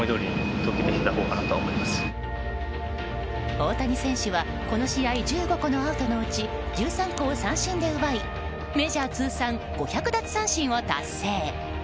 大谷選手は、この試合１５個のアウトのうち１３個を三振で奪いメジャー通算５００奪三振を達成。